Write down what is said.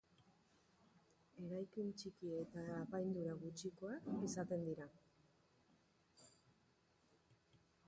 Eraikin txiki eta apaindura gutxikoak izaten dira.